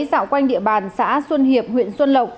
dạo quanh địa bàn xã xuân hiệp huyện xuân lộc